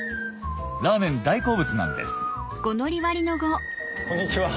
ラーメン大好物なんですこんにちは